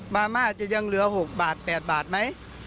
มาม่าจะยังเหลือ๖บาท๘บาทไหม